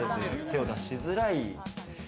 手を出しづらい。